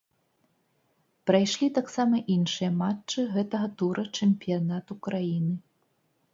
Прайшлі таксама іншыя матчы гэтага тура чэмпіянату краіны.